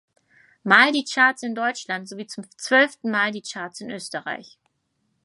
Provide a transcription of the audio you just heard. Mal die Charts in Deutschland sowie zum zwölften Mal die Charts in Österreich.